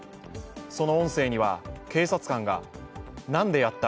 音声には、警察官が、なんでやった？